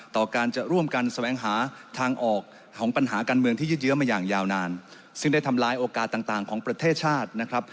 ต่อการจะร่วมกันแสวงหาทางออกของปัญหาการเมืองที่ยืดเยอะมาอย่างยาวนานซึ่งได้ทำลายโอกาสต่างของประเทศชาตินะครับ